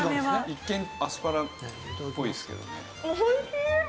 一見アスパラっぽいですけどね。